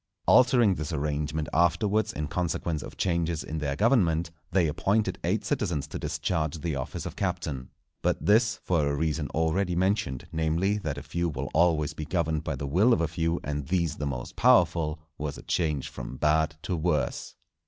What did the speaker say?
Altering this arrangement afterwards in consequence of changes in their government, they appointed eight citizens to discharge the office of Captain. But this, for a reason already mentioned, namely that a few will always be governed by the will of a few and these the most powerful, was a change from bad to worse.